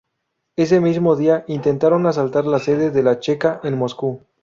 Ese mismo día intentaron asaltar la sede de la Checa en Moscú.